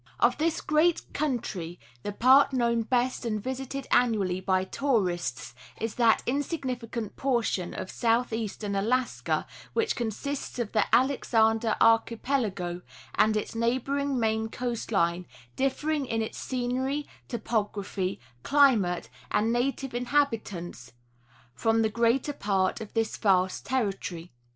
Of this great country the part known best and visited annually by tourists is that insignificant portion of southeastern Alaska which consists of the Alexander archipelago and its neighboring main coast line, differing in its scenery, topography, climate, and native inhabitants, from the greater part of this vast territory.